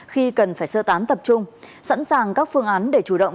khi cần phải sơ tán tập trung sẵn sàng các phương án để chủ động